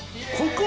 ここ！